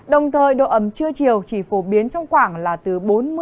đồng thời độ ấm trưa chiều chỉ phổ biến trong khoảng là từ bốn mươi sáu mươi